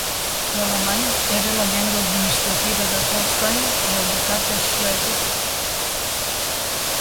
L'alemany era la llengua administrativa de Holstein i el Ducat de Slesvig.